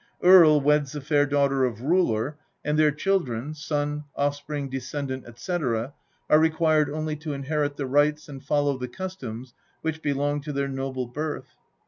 Earl weds the fair daughter of Ruler, and their children Sou, Offspring, Descendant, &c. are required only to inherit the rights and follow the customs which belong to their noble birth.